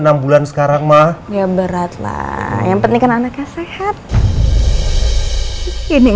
kamu sudah ber comer